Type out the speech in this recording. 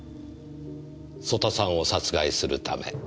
曽田さんを殺害するため。